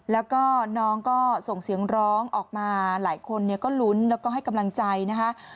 แล้วก็น้องก็ส่งเสียงร้องออกมาหลายคนก็ลุ้นแล้วก็ให้กำลังใจนะคะ